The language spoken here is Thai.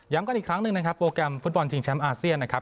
กันอีกครั้งหนึ่งนะครับโปรแกรมฟุตบอลชิงแชมป์อาเซียนนะครับ